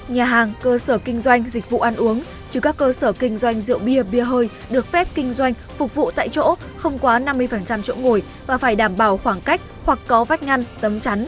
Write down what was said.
nhà hàng cơ sở kinh doanh dịch vụ ăn uống chứ các cơ sở kinh doanh rượu bia bia hơi được phép kinh doanh phục vụ tại chỗ không quá năm mươi chỗ ngồi và phải đảm bảo khoảng cách hoặc có vách ngăn tấm chắn